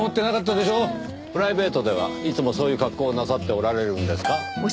プライベートではいつもそういう格好をなさっておられるんですか？